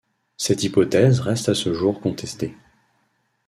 Cette hypothèse reste à ce jour contestée.